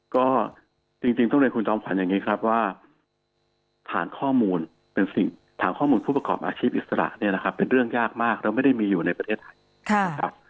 ก็จริงต้องเรียนคุณจอมขวัญอย่างนี้ครับว่าฐานข้อมูลเป็นสิ่งฐานข้อมูลผู้ประกอบอาชีพอิสระเนี่ยนะครับเป็นเรื่องยากมากเราไม่ได้มีอยู่ในประเทศไทยนะครับ